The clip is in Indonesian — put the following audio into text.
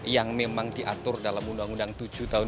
yang memang diatur dalam undang undang tujuh tahun dua ribu